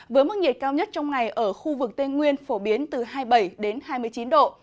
với mức nhiệt cao nhất trong ngày ở khu vực tây nguyên phổ biến từ hai mươi bảy đến hai mươi chín độ